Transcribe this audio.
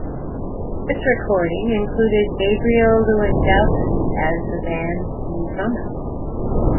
This recording included Gabriel Lewandowski as the band's new drummer.